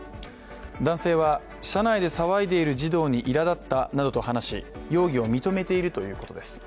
男性は、車内で騒いでいる児童にいらだったなどと話し容疑を認めているということです。